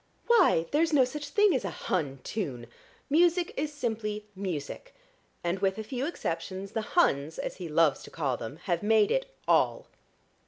Why, there's no such thing as a Hun tune! Music is simply music, and with a few exceptions the Huns, as he loves to call them, have made it all."